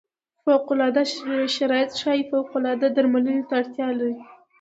فوق العاده شرایط ښايي فوق العاده درملنې ته اړتیا لري.